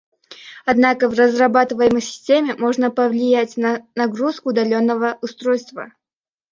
Однако в разрабатываемой системе можно повлиять на нагрузку удаленного устройства